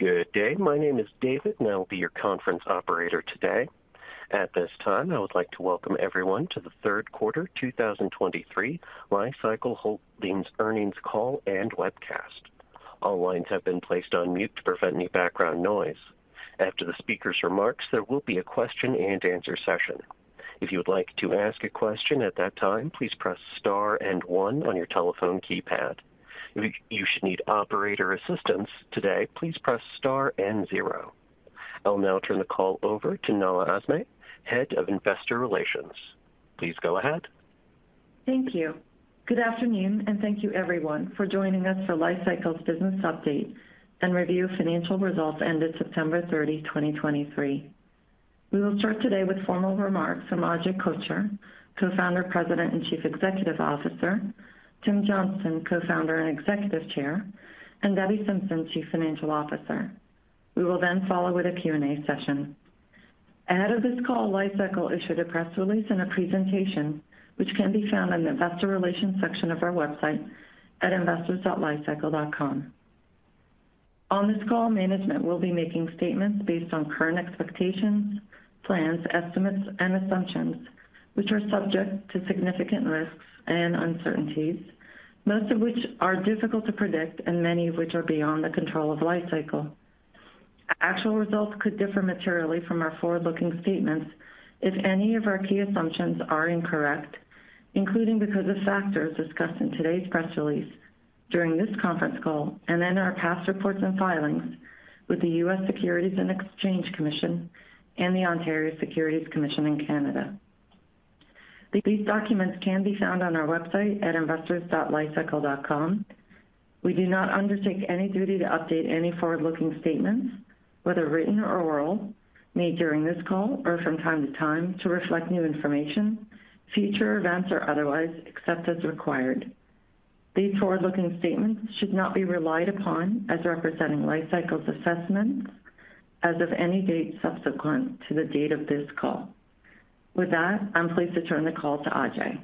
Good day. My name is David, and I'll be your conference operator today. At this time, I would like to welcome everyone to the third quarter 2023 Li-Cycle Holdings earnings call and webcast. All lines have been placed on mute to prevent any background noise. After the speaker's remarks, there will be a question-and-answer session. If you would like to ask a question at that time, please press Star and One on your telephone keypad. If you should need operator assistance today, please press star and zero. I'll now turn the call over to Nahla Azmy, Head of Investor Relations. Please go ahead. Thank you. Good afternoon, and thank you everyone for joining us for Li-Cycle's business update and review financial results ended September 30, 2023. We will start today with formal remarks from Ajay Kochhar, Co-founder, President, and Chief Executive Officer, Tim Johnston, Co-founder and Executive Chair, and Debbie Simpson, Chief Financial Officer. We will then follow with a Q&A session. Ahead of this call, Li-Cycle issued a press release and a presentation, which can be found in the Investor Relations section of our website at investors.licycle.com. On this call, management will be making statements based on current expectations, plans, estimates, and assumptions, which are subject to significant risks and uncertainties, most of which are difficult to predict and many of which are beyond the control of Li-Cycle. Actual results could differ materially from our forward-looking statements if any of our key assumptions are incorrect, including because of factors discussed in today's press release, during this conference call, and in our past reports and filings with the U.S. Securities and Exchange Commission and the Ontario Securities Commission in Canada. These documents can be found on our website at investors.li-cycle.com. We do not undertake any duty to update any forward-looking statements, whether written or oral, made during this call or from time to time, to reflect new information, future events, or otherwise, except as required. These forward-looking statements should not be relied upon as representing Li-Cycle's assessments as of any date subsequent to the date of this call. With that, I'm pleased to turn the call to Ajay.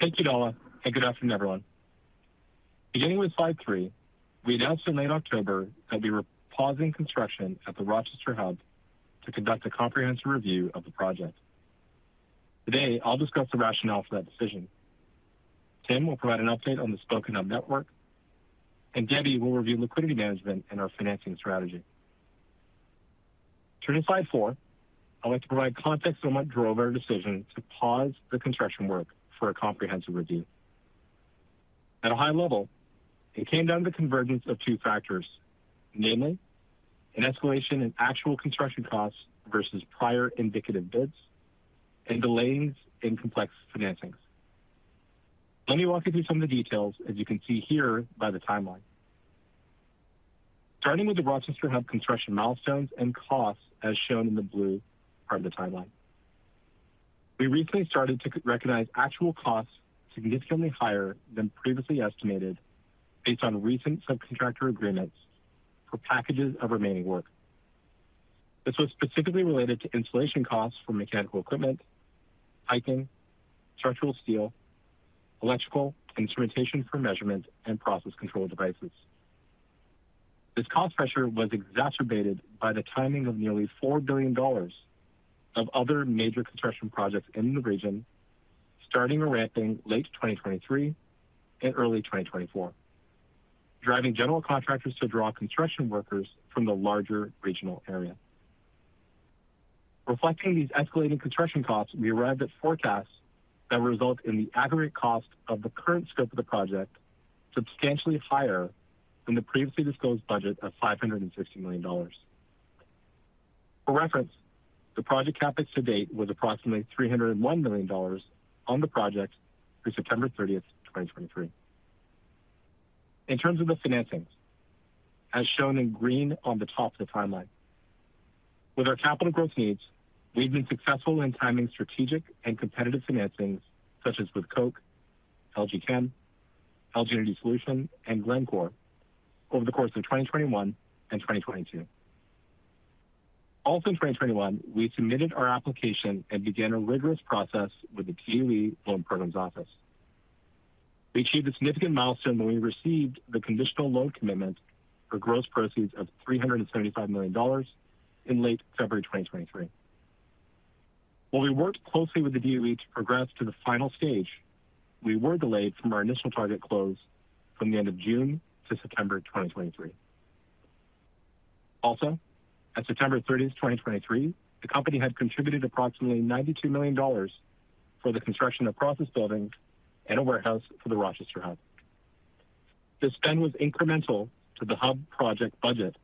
Thank you, Nahla, and good afternoon, everyone. Beginning with slide three, we announced in late October that we were pausing construction at the Rochester Hub to conduct a comprehensive review of the project. Today, I'll discuss the rationale for that decision. Tim will provide an update on the Spoke & Hub network, and Debbie will review liquidity management and our financing strategy. Turning to slide four, I'd like to provide context on what drove our decision to pause the construction work for a comprehensive review. At a high level, it came down to the convergence of two factors, namely, an escalation in actual construction costs versus prior indicative bids and delays in complex financings. Let me walk you through some of the details, as you can see here by the timeline. Starting with the Rochester Hub construction milestones and costs, as shown in the blue part of the timeline. We recently started to recognize actual costs significantly higher than previously estimated, based on recent subcontractor agreements for packages of remaining work. This was specifically related to installation costs for mechanical equipment, piping, structural steel, electrical, instrumentation for measurement, and process control devices. This cost pressure was exacerbated by the timing of nearly $4 billion of other major construction projects in the region, starting or ramping late 2023 and early 2024, driving general contractors to draw construction workers from the larger regional area. Reflecting these escalating construction costs, we arrived at forecasts that result in the aggregate cost of the current scope of the project substantially higher than the previously disclosed budget of $560 million. For reference, the project CapEx to date was approximately $301 million on the project through September 30, 2023. In terms of the financings, as shown in green on the top of the timeline. With our capital growth needs, we've been successful in timing strategic and competitive financings such as with Koch, LG Chem, LG Energy Solution, and Glencore over the course of 2021 and 2022. Also in 2021, we submitted our application and began a rigorous process with the DOE Loan Programs Office. We achieved a significant milestone when we received the conditional loan commitment for gross proceeds of $375 million in late February 2023. While we worked closely with the DOE to progress to the final stage, we were delayed from our initial target close from the end of June to September 2023. Also, at September 30, 2023, the company had contributed approximately $92 million for the construction of process buildings and a warehouse for the Rochester Hub. This spend was incremental to the Hub project budget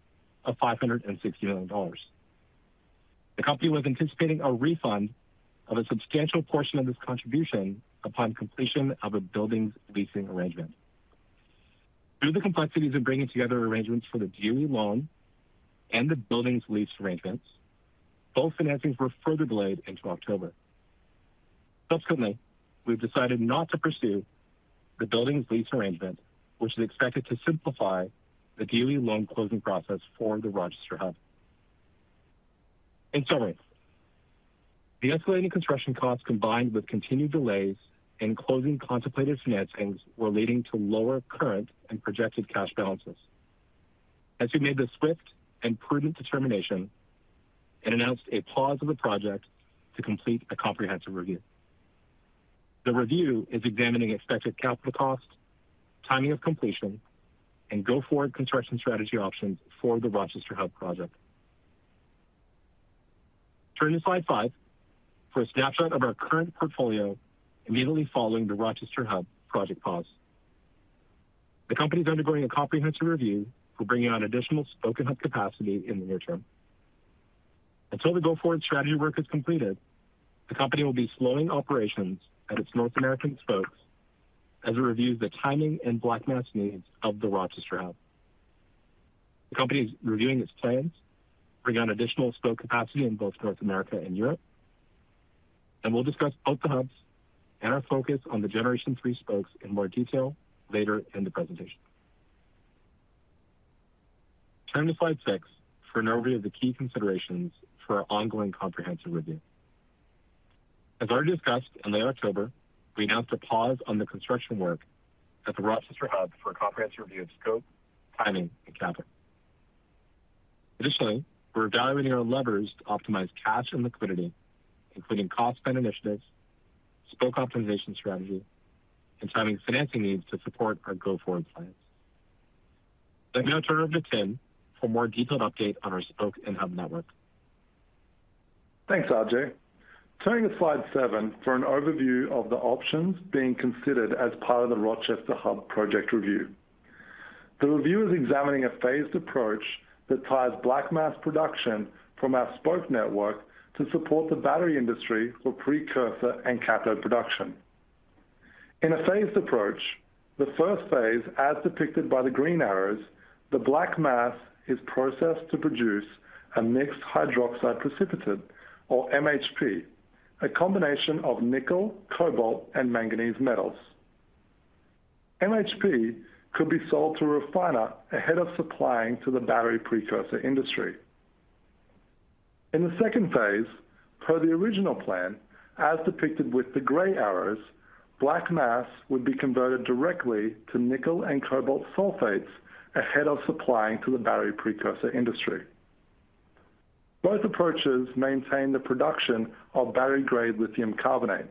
of $560 million. The company was anticipating a refund of a substantial portion of this contribution upon completion of a building's leasing arrangement. Due to the complexities of bringing together arrangements for the DOE loan and the building's lease arrangements, both financings were further delayed into October. Subsequently, we've decided not to pursue the building's lease arrangement, which is expected to simplify the DOE loan closing process for the Rochester Hub. In summary, the escalating construction costs, combined with continued delays and closing contemplated financings, were leading to lower current and projected cash balances. As we made the swift and prudent determination and announced a pause of the project to complete a comprehensive review. The review is examining expected capital costs, timing of completion, and go-forward construction strategy options for the Rochester Hub project. Turn to slide 5 for a snapshot of our current portfolio immediately following the Rochester Hub project pause. The company is undergoing a comprehensive review for bringing on additional Spoke & Hub capacity in the near term. Until the go-forward strategy work is completed, the company will be slowing operations at its North American Spokes as it reviews the timing and black mass needs of the Rochester Hub. The company is reviewing its plans to bring on additional Spoke capacity in both North America and Europe, and we'll discuss both the Hubs and our focus on the Generation 3 Spokes in more detail later in the presentation. Turn to slide six for an overview of the key considerations for our ongoing comprehensive review. As already discussed, in late October, we announced a pause on the construction work at the Rochester Hub for a comprehensive review of scope, timing, and capital. Additionally, we're evaluating our levers to optimize cash and liquidity, including cost-spend initiatives, Spoke optimization strategy, and timing financing needs to support our go-forward plans. Let me now turn it over to Tim for a more detailed update on our Spoke & Hub network. Thanks, Ajay. Turning to slide seven for an overview of the options being considered as part of the Rochester Hub project review. The review is examining a phased approach that ties black mass production from our Spoke network to support the battery industry for precursor and cathode production. In a phased approach, the first phase, as depicted by the green arrows, the black mass is processed to produce a mixed hydroxide precipitate, or MHP, a combination of nickel, cobalt, and manganese metals. MHP could be sold to a refiner ahead of supplying to the battery precursor industry. In the second phase, per the original plan, as depicted with the gray arrows, black mass would be converted directly to nickel and cobalt sulfates ahead of supplying to the battery precursor industry. Both approaches maintain the production of battery-grade lithium carbonate.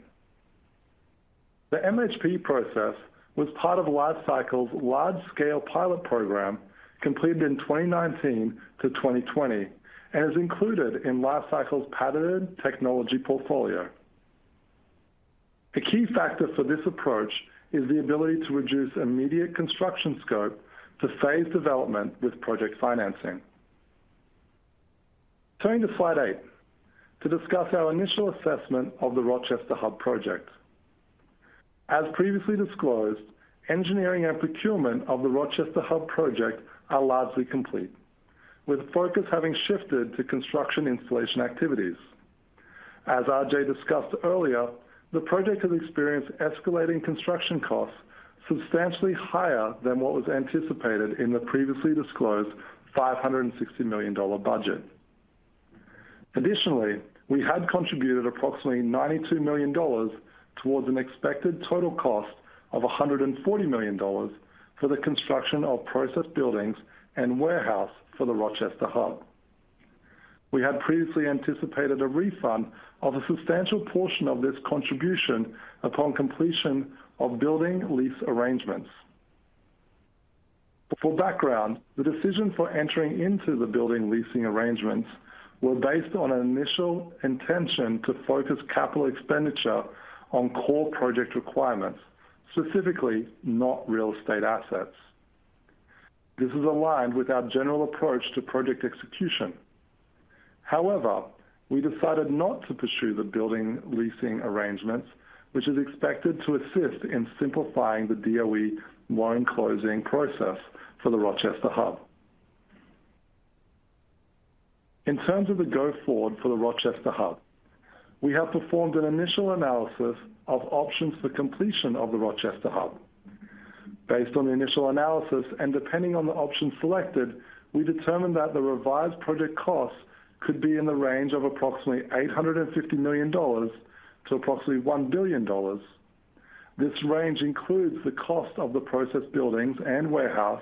The MHP process was part of Li-Cycle's large-scale pilot program, completed in 2019-2020, and is included in Li-Cycle's patented technology portfolio. The key factor for this approach is the ability to reduce immediate construction scope to phase development with project financing. Turning to slide 8, to discuss our initial assessment of the Rochester Hub project. As previously disclosed, engineering and procurement of the Rochester Hub project are largely complete, with focus having shifted to construction installation activities. As Ajay discussed earlier, the project has experienced escalating construction costs substantially higher than what was anticipated in the previously disclosed $560 million budget. Additionally, we had contributed approximately $92 million towards an expected total cost of $140 million for the construction of process buildings and warehouse for the Rochester Hub. We had previously anticipated a refund of a substantial portion of this contribution upon completion of building lease arrangements. For background, the decision for entering into the building leasing arrangements were based on an initial intention to focus capital expenditure on core project requirements, specifically, not real estate assets. This is aligned with our general approach to project execution. However, we decided not to pursue the building leasing arrangements, which is expected to assist in simplifying the DOE loan closing process for the Rochester Hub. In terms of the go-forward for the Rochester Hub, we have performed an initial analysis of options for completion of the Rochester Hub. Based on the initial analysis, and depending on the option selected, we determined that the revised project costs could be in the range of approximately $850 million to approximately $1 billion. This range includes the cost of the process buildings and warehouse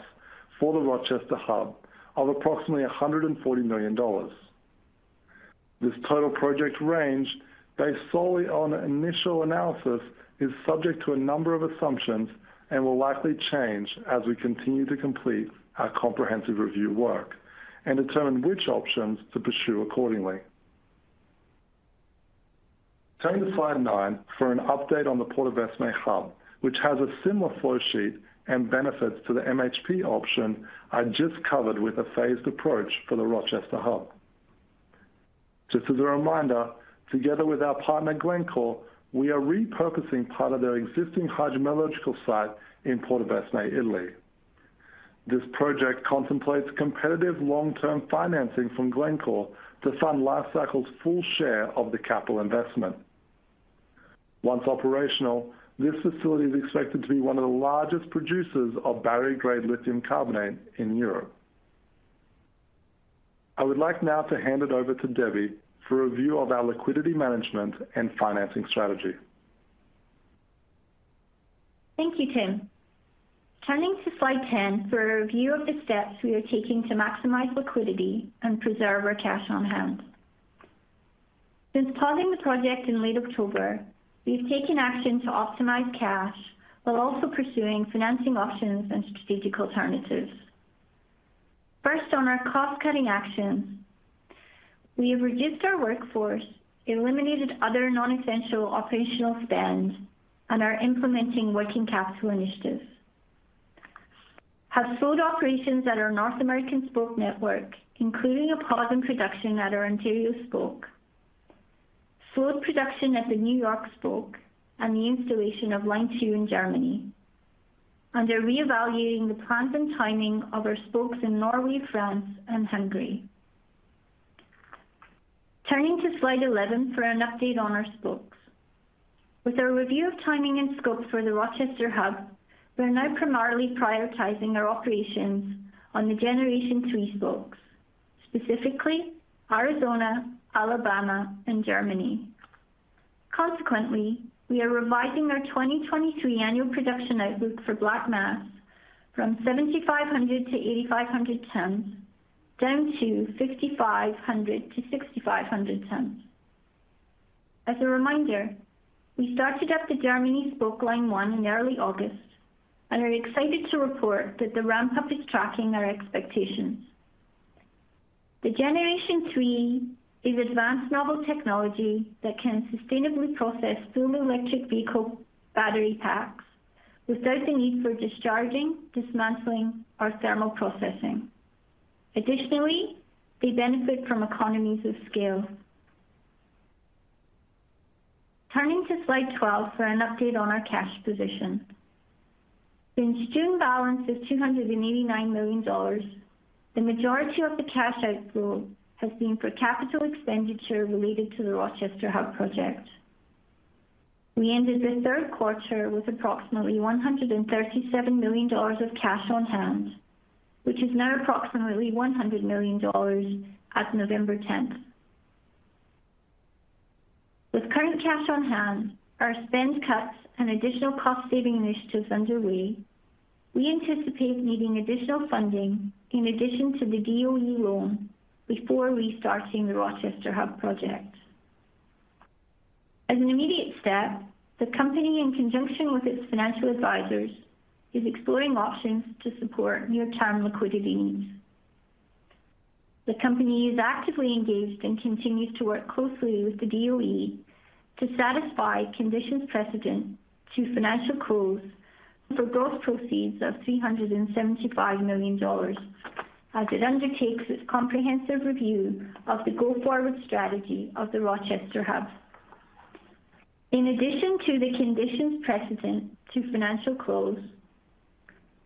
for the Rochester Hub of approximately $140 million. This total project range, based solely on an initial analysis, is subject to a number of assumptions and will likely change as we continue to complete our comprehensive review work and determine which options to pursue accordingly. Turning to slide nine for an update on the Portovesme Hub, which has a similar flow sheet and benefits to the MHP option I just covered with a phased approach for the Rochester Hub. Just as a reminder, together with our partner, Glencore, we are repurposing part of their existing hydrometallurgical site in Portovesme, Italy. This project contemplates competitive long-term financing from Glencore to fund Li-Cycle's full share of the capital investment. Once operational, this facility is expected to be one of the largest producers of battery-grade lithium carbonate in Europe. I would like now to hand it over to Debbie for a review of our liquidity management and financing strategy. Thank you, Tim. Turning to slide 10 for a review of the steps we are taking to maximize liquidity and preserve our cash on hand. Since pausing the project in late October, we've taken action to optimize cash, while also pursuing financing options and strategic alternatives. First, on our cost-cutting actions. We have reduced our workforce, eliminated other non-essential operational spend, and are implementing working capital initiatives, have slowed operations at our North American Spoke network, including a pause in production at our Ontario Spoke, slowed production at the New York Spoke, and the installation of line two in Germany, and are reevaluating the plans and timing of our Spokes in Norway, France, and Hungary. Turning to slide 11 for an update on our Spokes. With our review of timing and scope for the Rochester Hub, we are now primarily prioritizing our operations on the Generation 3 Spokes, specifically Arizona, Alabama, and Germany. Consequently, we are revising our 2023 annual production outlook for black mass from 7,500 tons-8,500 tons, down to 5,500 tons-6,500 tons. As a reminder, we started up the Germany Spoke line one in early August, and are excited to report that the ramp-up is tracking our expectations. The Generation 3 is advanced novel technology that can sustainably process full electric vehicle battery packs without the need for discharging, dismantling, or thermal processing. Additionally, they benefit from economies of scale. Turning to slide 12 for an update on our cash position. Since June, balance of $289 million, the majority of the cash outflow has been for capital expenditure related to the Rochester Hub project. We ended the third quarter with approximately $137 million of cash on hand, which is now approximately $100 million as of November 10. With current cash on hand, our spend cuts and additional cost-saving initiatives underway, we anticipate needing additional funding in addition to the DOE loan before restarting the Rochester Hub project. As an immediate step, the company, in conjunction with its financial advisors, is exploring options to support near-term liquidity needs. The company is actively engaged and continues to work closely with the DOE to satisfy conditions precedent to financial close for gross proceeds of $375 million as it undertakes its comprehensive review of the go-forward strategy of the Rochester Hub. In addition to the conditions precedent to financial close,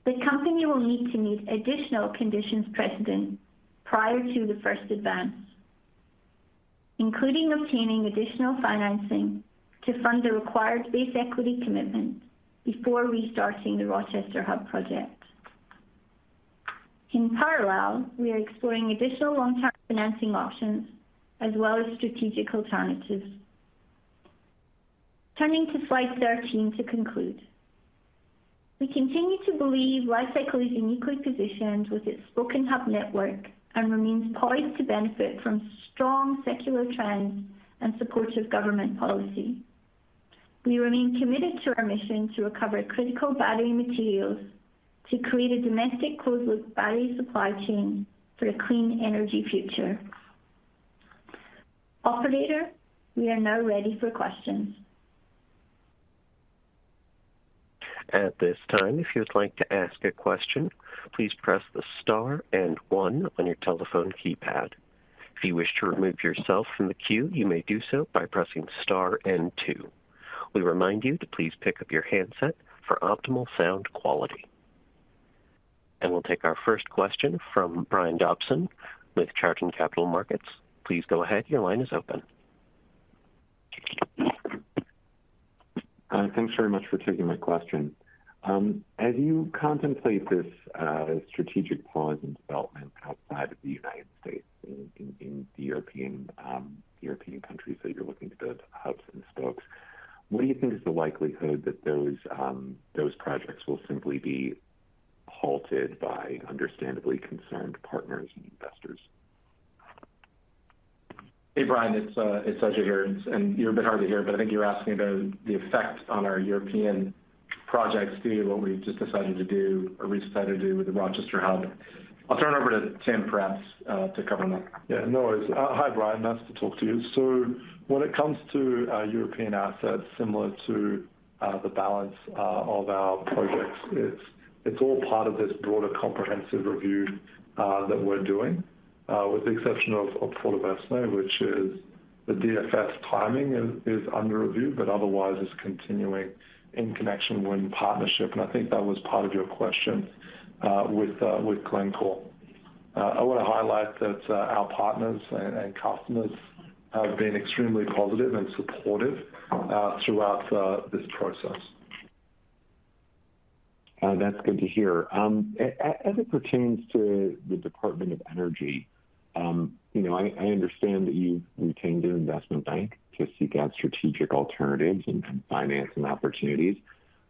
the company will need to meet additional conditions precedent prior to the first advance, including obtaining additional financing to fund the required base equity commitment before restarting the Rochester Hub project. In parallel, we are exploring additional long-term financing options as well as strategic alternatives. Turning to slide 13 to conclude. We continue to believe Li-Cycle is uniquely positioned with its Spoke & Hub network and remains poised to benefit from strong secular trends and supportive government policy. We remain committed to our mission to recover critical battery materials to create a domestic closed-loop battery supply chain for a clean energy future. Operator, we are now ready for questions. At this time, if you would like to ask a question, please press the star and one on your telephone keypad. If you wish to remove yourself from the queue, you may do so by pressing star and two. We remind you to please pick up your handset for optimal sound quality. And we'll take our first question from Brian Dobson with Chardan Capital Markets. Please go ahead. Your line is open. Thanks very much for taking my question. As you contemplate this strategic pause in development outside of the United States, in the European countries that you're looking to build Hubs and Spokes, what do you think is the likelihood that those projects will simply be halted by understandably concerned partners and investors? Hey, Brian, it's Ajay here, and you're a bit hard to hear, but I think you're asking about the effect on our European projects due to what we've just decided to do, or we decided to do with the Rochester Hub. I'll turn it over to Tim, perhaps, to cover more. Yeah, no worries. Hi, Brian. Nice to talk to you. So when it comes to European assets, similar to the balance of our projects, it's all part of this broader, comprehensive review that we're doing, with the exception of Portovesme, which is the DFS timing is under review, but otherwise is continuing in connection with partnership. And I think that was part of your question with Glencore. I want to highlight that our partners and customers have been extremely positive and supportive throughout this process. That's good to hear. As it pertains to the Department of Energy, you know, I understand that you've retained an investment bank to seek out strategic alternatives and financing opportunities.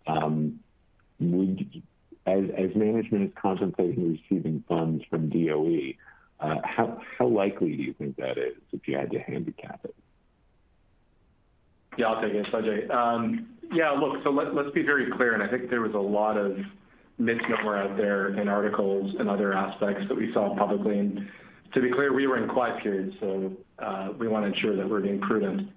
Would as management is contemplating receiving funds from DOE, how likely do you think that is, if you had to handicap it? Yeah, I'll take it, its Ajay. Yeah, look, so let's, let's be very clear, and I think there was a lot of misnomer out there in articles and other aspects that we saw publicly. And to be clear, we were in a quiet period, so, we want to ensure that we're being prudent.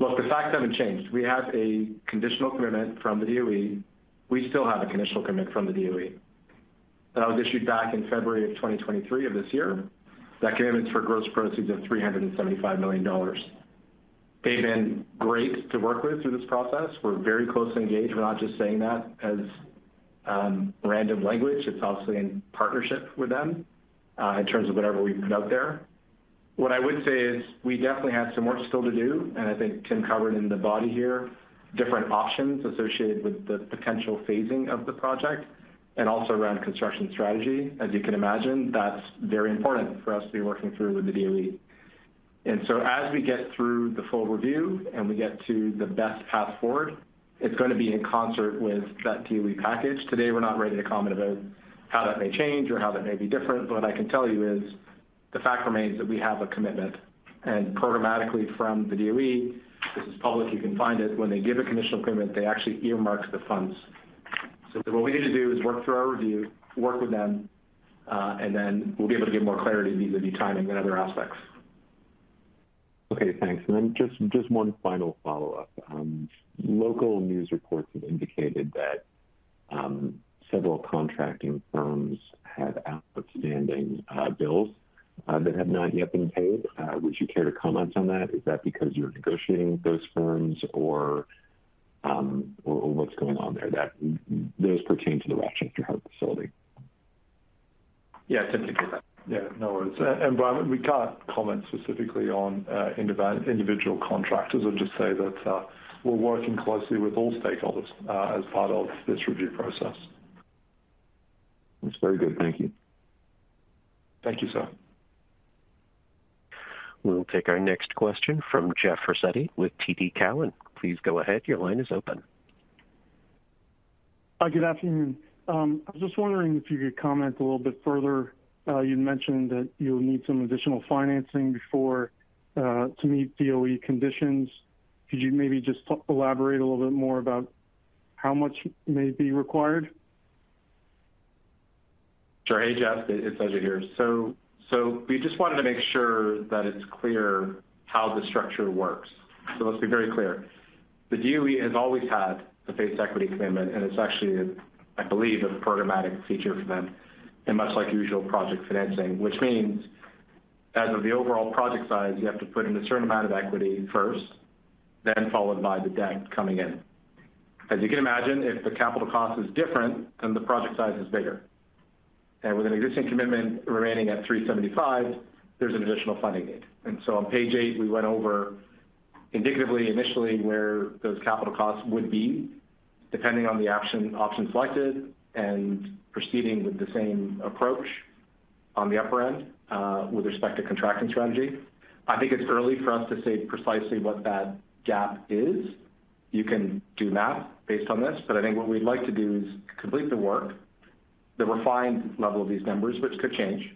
Look, the facts haven't changed. We have a conditional commitment from the DOE. We still have a conditional commitment from the DOE. That was issued back in February of 2023 of this year. That commitment is for gross proceeds of $375 million. They've been great to work with through this process. We're very closely engaged. We're not just saying that as random language. It's obviously in partnership with them, in terms of whatever we've put out there. What I would say is, we definitely have some work still to do, and I think Tim covered in the body here, different options associated with the potential phasing of the project and also around construction strategy. As you can imagine, that's very important for us to be working through with the DOE. And so as we get through the full review and we get to the best path forward, it's going to be in concert with that DOE package. Today, we're not ready to comment about how that may change or how that may be different, but what I can tell you is the fact remains that we have a commitment. And programmatically from the DOE, this is public, you can find it. When they give a conditional commitment, they actually earmark the funds. What we need to do is work through our review, work with them, and then we'll be able to give more clarity vis-à-vis timing and other aspects. Okay, thanks. And then just, just one final follow-up. Local news reports have indicated that several contracting firms have outstanding bills that have not yet been paid. Would you care to comment on that? Is that because you're negotiating with those firms, or what's going on there, that those pertain to the Rochester Hub facility? Yeah, Tim can take that. Yeah, no worries. And Brian, we can't comment specifically on individual contractors. I'll just say that we're working closely with all stakeholders as part of this review process. That's very good. Thank you. Thank you, sir. We'll take our next question from Jeff Osborne with TD Cowen. Please go ahead. Your line is open. Good afternoon. I was just wondering if you could comment a little bit further. You mentioned that you'll need some additional financing before to meet DOE conditions. Could you maybe just elaborate a little bit more about how much may be required? Sure. Hey, Jeff, it's Ajay here. So, so we just wanted to make sure that it's clear how the structure works. So let's be very clear. The DOE has always had a base equity commitment, and it's actually, I believe, a programmatic feature for them, and much like usual project financing. Which means, as of the overall project size, you have to put in a certain amount of equity first, then followed by the debt coming in. As you can imagine, if the capital cost is different, then the project size is bigger. And with an existing commitment remaining at $375 million, there's an additional funding need. And so on page eight, we went over indicatively, initially, where those capital costs would be, depending on the action, option selected and proceeding with the same approach on the upper end, with respect to contracting strategy. I think it's early for us to say precisely what that gap is. You can do math based on this, but I think what we'd like to do is complete the work, the refined level of these numbers, which could change,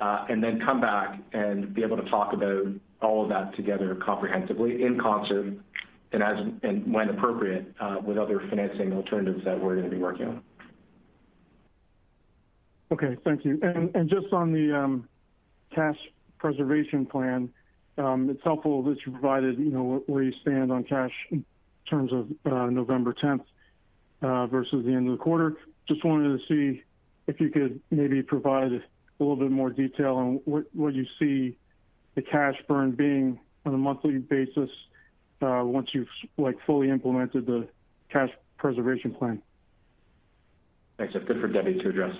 and then come back and be able to talk about all of that together comprehensively in concert and as, and when appropriate, with other financing alternatives that we're going to be working on. Okay, thank you. And just on the cash preservation plan, it's helpful that you provided, you know, where you stand on cash in terms of November 10th versus the end of the quarter. Just wanted to see if you could maybe provide a little bit more detail on what you see the cash burn being on a monthly basis once you've, like, fully implemented the cash preservation plan. Thanks, Jeff. Good for Debbie to address.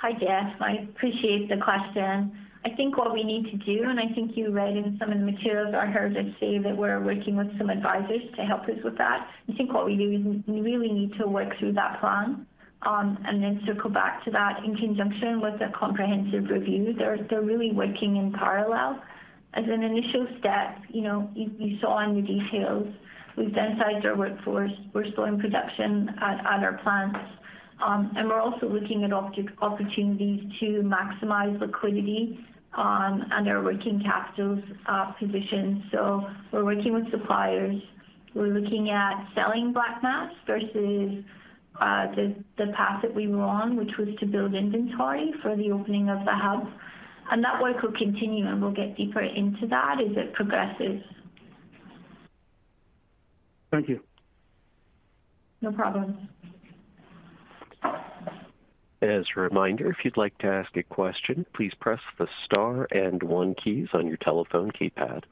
Hi, Jeff. I appreciate the question. I think what we need to do, and I think you read in some of the materials I heard that say that we're working with some advisors to help us with that. I think what we do, we really need to work through that plan, and then circle back to that in conjunction with the comprehensive review. They're really working in parallel. As an initial step, you know, you saw in the details, we've downsized our workforce. We're still in production at our plants. And we're also looking at opportunities to maximize liquidity, and our working capital position. So we're working with suppliers. We're looking at selling black mass versus the path that we were on, which was to build inventory for the opening of the hub. That work will continue, and we'll get deeper into that as it progresses. Thank you. No problem. As a reminder, if you'd like to ask a question, please press the star and one keys on your telephone keypad.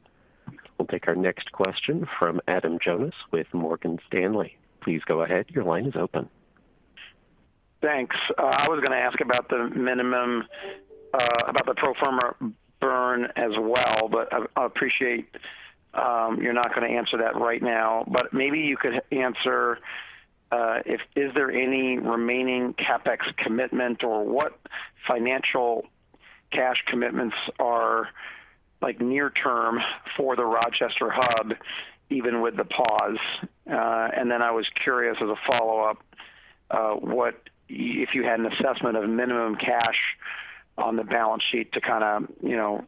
We'll take our next question from Adam Jonas with Morgan Stanley. Please go ahead. Your line is open. Thanks. I was going to ask about the minimum, about the pro forma burn as well, but I appreciate you're not going to answer that right now. But maybe you could answer if is there any remaining CapEx commitment or what financial cash commitments are, like, near term for the Rochester hub, even with the pause? And then I was curious, as a follow-up, what if you had an assessment of minimum cash on the balance sheet to kind of, you know,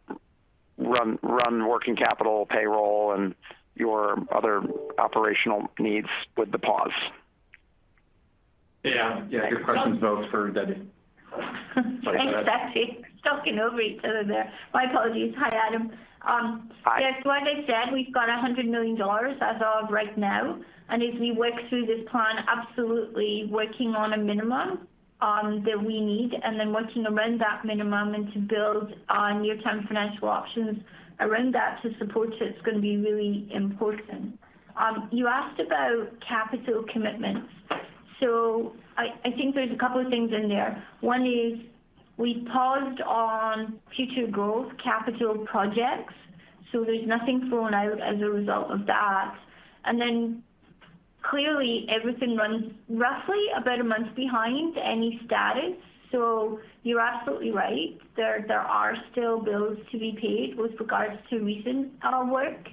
run working capital, payroll, and your other operational needs with the pause? Yeah, yeah. Your question is both for Debbie. Thanks, actually. Talking over each other there. My apologies. Hi, Adam. Hi. Yes, like I said, we've got $100 million as of right now, and as we work through this plan, absolutely working on a minimum that we need, and then working around that minimum and to build on near-term financial options around that to support it is going to be really important. You asked about capital commitments. So I think there's a couple of things in there. One is we paused on future growth capital projects, so there's nothing flowing out as a result of that. And then, clearly, everything runs roughly about a month behind any status. So you're absolutely right. There are still bills to be paid with regards to recent work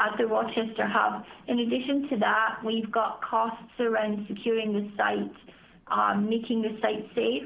at the Rochester Hub. In addition to that, we've got costs around securing the site, making the site safe,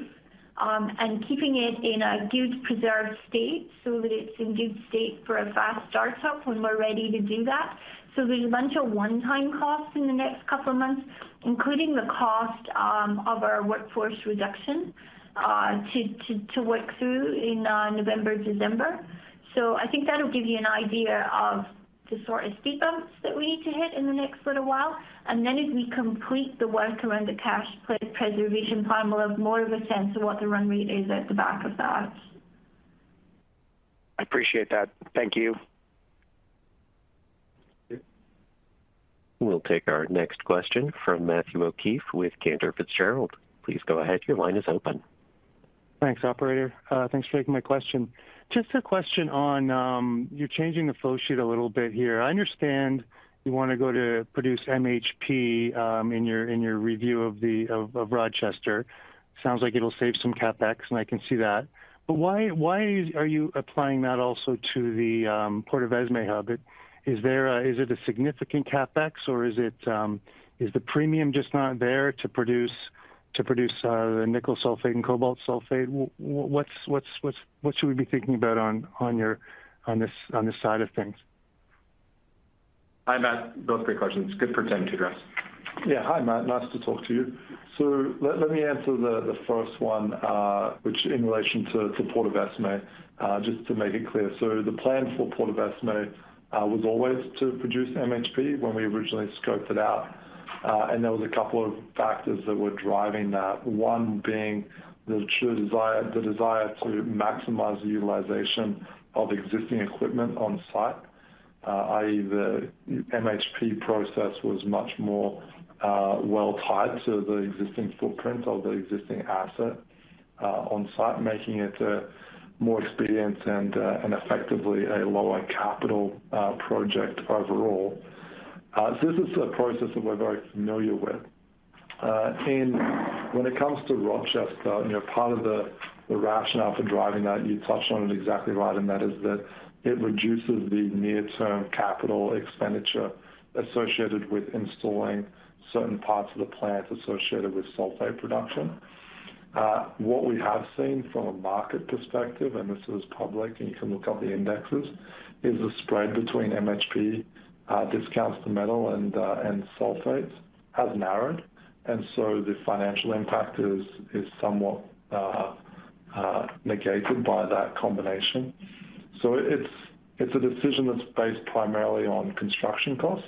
and keeping it in a good preserved state so that it's in good state for a fast startup when we're ready to do that. So there's a bunch of one-time costs in the next couple of months, including the cost of our workforce reduction to work through in November, December. So I think that'll give you an idea of the sort of speed bumps that we need to hit in the next little while. And then as we complete the work around the cash preservation plan, we'll have more of a sense of what the run rate is at the back of that. I appreciate that. Thank you. Okay. We'll take our next question from Matthew O'Keefe with Cantor Fitzgerald. Please go ahead. Your line is open. Thanks, operator. Thanks for taking my question. Just a question on, you're changing the flow sheet a little bit here. I understand you want to go to produce MHP in your review of Rochester. Sounds like it'll save some CapEx, and I can see that. But why are you applying that also to the Portovesme hub? Is there a... Is it a significant CapEx, or is the premium just not there to produce the nickel sulfate and cobalt sulfate? What should we be thinking about on this side of things? Hi, Matt. Both great questions. Good for Tim to address. Yeah. Hi, Matt, nice to talk to you. So let me answer the first one, which in relation to Portovesme, just to make it clear. So the plan for Portovesme was always to produce MHP when we originally scoped it out, and there was a couple of factors that were driving that. One being the true desire, the desire to maximize the utilization of existing equipment on site. i.e., the MHP process was much more, well tied to the existing footprint of the existing asset on site, making it a more experienced and, and effectively a lower capital project overall. This is a process that we're very familiar with. And when it comes to Rochester, you know, part of the rationale for driving that, you touched on it exactly right, and that is that it reduces the near-term capital expenditure associated with installing certain parts of the plant associated with sulfate production. What we have seen from a market perspective, and this is public, and you can look up the indexes, is the spread between MHP discounts to metal and sulfates has narrowed, and so the financial impact is somewhat negated by that combination. So it's a decision that's based primarily on construction costs,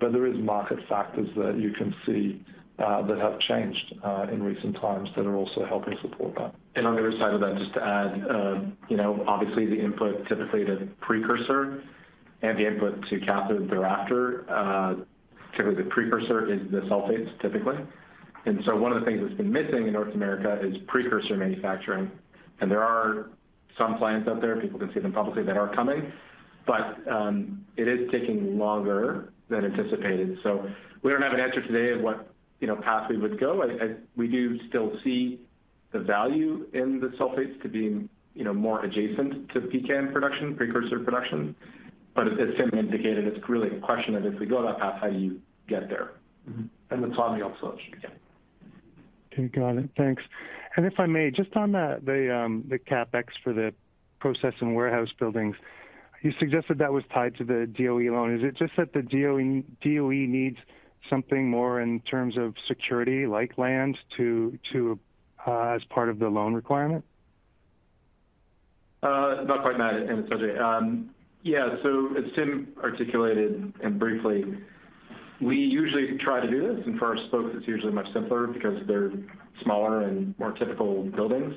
but there is market factors that you can see that have changed in recent times that are also helping support that. On the other side of that, just to add, you know, obviously, the input, typically the precursor and the input to cathode thereafter, typically the precursor is the sulfates, typically. So one of the things that's been missing in North America is precursor manufacturing. And there are some plants out there, people can see them publicly, that are coming, but it is taking longer than anticipated. So we don't have an answer today of what, you know, path we would go. We do still see the value in the sulfates to being, you know, more adjacent to pCAM production, precursor production. But as Tim indicated, it's really a question of if we go that path, how do you get there? Mm-hmm. And the timing also again. Okay, got it. Thanks. And if I may, just on the CapEx for the process and warehouse buildings, you suggested that was tied to the DOE loan. Is it just that the DOE needs something more in terms of security, like land, as part of the loan requirement? Not quite, Matt, and it's okay. Yeah, so as Tim articulated. We usually try to do this, and for our spokes, it's usually much simpler because they're smaller and more typical buildings.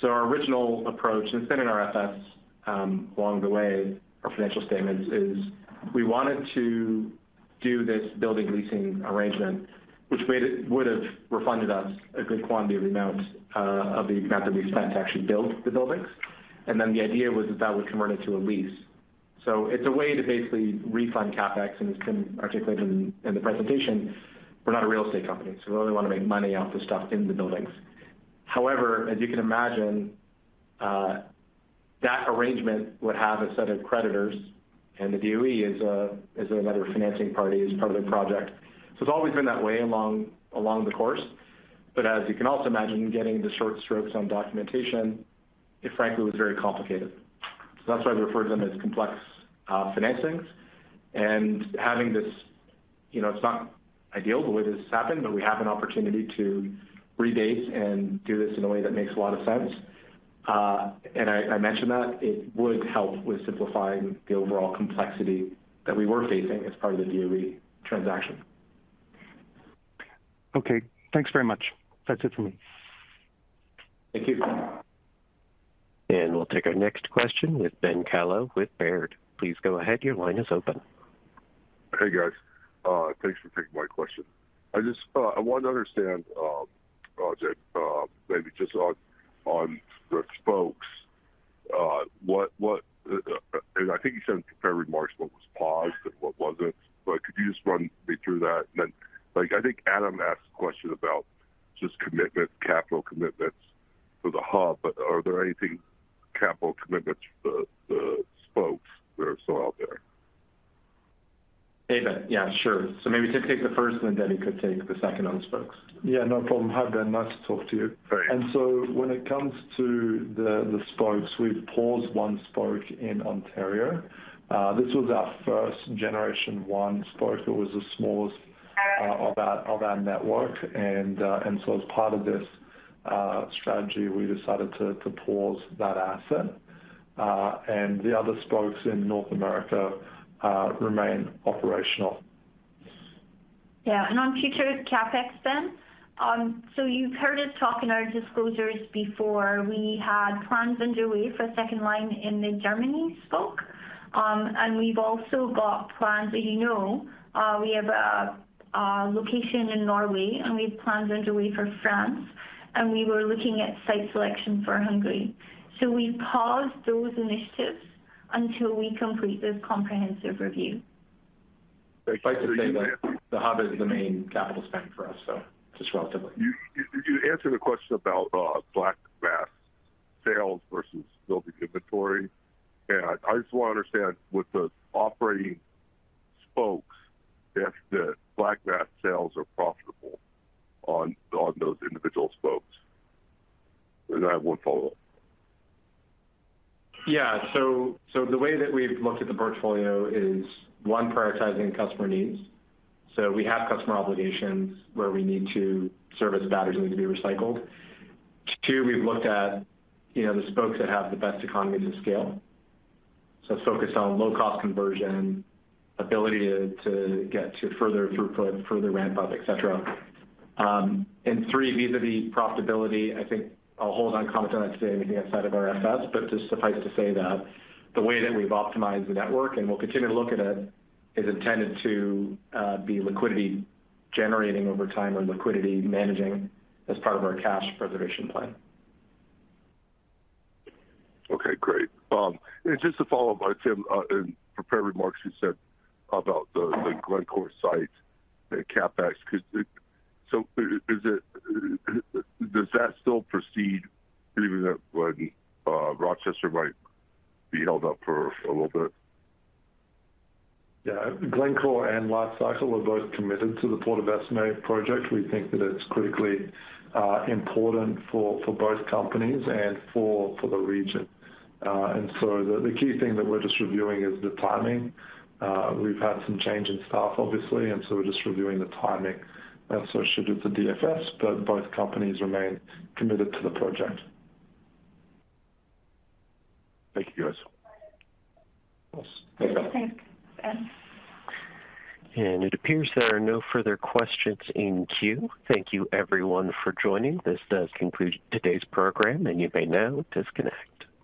So our original approach, and it's been in our FS along the way, our financial statements, is we wanted to do this building leasing arrangement, which would have refunded us a good quantity of the amount of the amount that we spent to actually build the buildings. And then the idea was that, that would convert it to a lease. So it's a way to basically refund CapEx, and it's been articulated in the presentation. We're not a real estate company, so we only want to make money off the stuff in the buildings. However, as you can imagine, that arrangement would have a set of creditors, and the DOE is another financing party as part of the project. So it's always been that way all along the course. But as you can also imagine, getting the short strokes on documentation, it frankly was very complicated. So that's why we refer to them as complex financings. And having this, you know, it's not ideal the way this has happened, but we have an opportunity to rebase and do this in a way that makes a lot of sense. And I mentioned that it would help with simplifying the overall complexity that we were facing as part of the DOE transaction. Okay, thanks very much. That's it for me. Thank you. We'll take our next question with Ben Kallo with Baird. Please go ahead. Your line is open. Hey, guys. Thanks for taking my question. I just wanted to understand, maybe just on the spokes, what... And I think you said in your prepared remarks, what was paused and what wasn't, but could you just run me through that? And then, like, I think Adam asked a question about just commitment, capital commitments to the Hub, but are there anything, capital commitments for the spokes that are still out there? Hey, Ben. Yeah, sure. So maybe Tim take the first, and then he could take the second on the spokes. Yeah, no problem. Hi, Ben. Nice to talk to you. Great. And so when it comes to the Spokes, we've paused one Spoke in Ontario. This was our first Generation 1 Spoke. It was the smallest of our network. And so as part of this strategy, we decided to pause that asset. And the other Spokes in North America remain operational. Yeah, and on future CapEx spend, so you've heard us talk in our disclosures before. We had plans underway for a second line in the Germany Spoke. And we've also got plans that you know, we have a location in Norway, and we have plans underway for France, and we were looking at site selection for Hungary. So we paused those initiatives until we complete this comprehensive review. Suffice to say that the Hub is the main capital spend for us, so just relatively. You answered the question about black mass sales versus building inventory. And I just want to understand with the operating spokes if the black mass sales are profitable on those individual spokes? And I have one follow-up. Yeah. So, so the way that we've looked at the portfolio is, one, prioritizing customer needs. So we have customer obligations where we need to service batteries that need to be recycled. Two, we've looked at, you know, the spokes that have the best economies of scale. So focused on low-cost conversion, ability to, to get to further throughput, further ramp up, et cetera. And three, vis-à-vis profitability, I think I'll hold on comment on that today, anything outside of our FS. But just suffice to say that the way that we've optimized the network, and we'll continue to look at it, is intended to be liquidity-generating over time or liquidity managing as part of our cash preservation plan. Okay, great. Just to follow up on Tim in prepared remarks, you said about the Glencore site and CapEx, 'cause it—so is it, does that still proceed, even though when Rochester might be held up for a little bit? Yeah. Glencore and Li-Cycle are both committed to the Portovesme project. We think that it's critically important for, for both companies and for, for the region. And so the key thing that we're just reviewing is the timing. We've had some change in staff, obviously, and so we're just reviewing the timing associated with the DFS, but both companies remain committed to the project. Thank you, guys. Yes. Thanks, Ben. It appears there are no further questions in queue. Thank you, everyone, for joining. This does conclude today's program, and you may now disconnect.